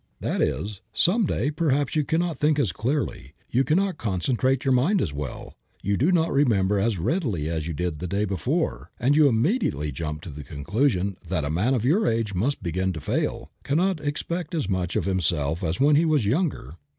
That is, some day perhaps you cannot think as clearly, you cannot concentrate your mind as well, you do not remember as readily as you did the day before, and you immediately jump to the conclusion that a man of your age must begin to fail, cannot expect as much of himself as when he was younger.